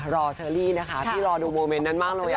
เชอรี่นะคะที่รอดูโมเมนต์นั้นมากเลย